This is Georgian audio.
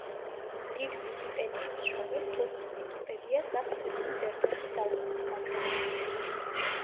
დიდ ვიკიპედიებს შორის თურქულ ვიკიპედიას აქვს სიღრმის ერთ-ერთი საუკეთესო მაჩვენებელი.